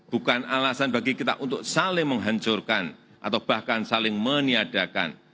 bukan alasan bagi kita untuk saling menghancurkan atau bahkan saling meniadakan